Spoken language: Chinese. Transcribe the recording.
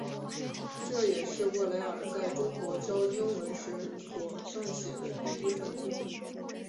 这也是沃雷尔在中国教英文时所撰写的第一份剧本。